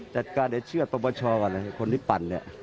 จัดการให้เชื่อตรงบัตรช่อก่อนนะคนที่ปั่นเนี่ย